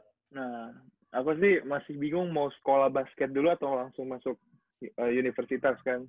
nah aku sih masih bingung mau sekolah basket dulu atau langsung masuk universitas kan